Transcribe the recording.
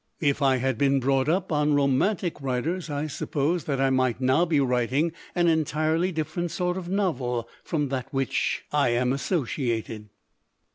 If I had been brought up on romantic writers I suppose that I might now be writing an entirely LITERATURE IN THE MAKING different sort of novel from that with which I am associated.